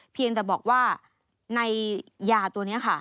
เพียงแต่บอกว่าในยาตัวนี้ค่ะ